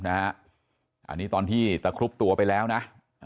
อันนี้ตอนที่ตะครุบตัวไปแล้วนะ